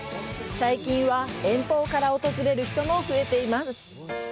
最近は遠方から訪れる人も増えています。